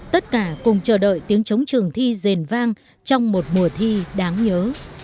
tất cả cùng chờ đợi tiếng chống trường thi rền vang trong một mùa thi đáng nhớ